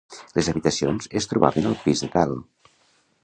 Les habitacions es trobaven al pis de dalt.